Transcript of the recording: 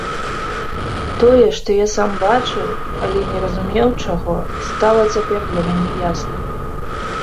Тое, што я сам бачыў, але не разумеў чаго, стала цяпер для мяне ясным.